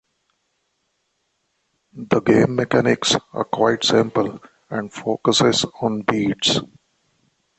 The game mechanics are quite simple and focuses on beats.